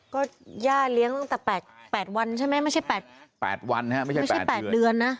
ก็ย่าเลี้ยงตั้งแต่๘วันใช่ไหมไม่ใช่๘เดือนนะ